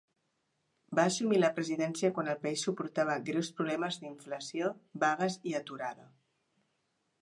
Va assumir la presidència quan el país suportava greus problemes d'inflació, vagues i aturada.